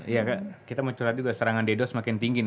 iya kak kita mau curhat juga serangan ddos semakin tinggi nih